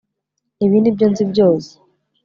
ibi nibyo nzi byose